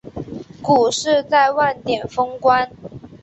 股市在万点封关